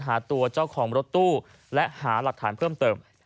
หาตัวเจ้าของรถตู้และหาหลักฐานเพิ่มเติม